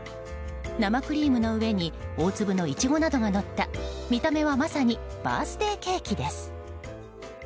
生クリームの上に大粒のイチゴなどがのった見た目はまさに、バースデーケーキです。